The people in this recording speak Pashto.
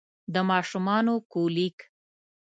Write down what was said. د ماشومانه کولیک